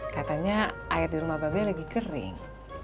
katanya air di rumah babe lagi kering